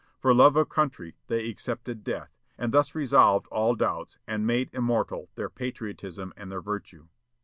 For love of country they accepted death, and thus resolved all doubts, and made immortal their patriotism and their virtue.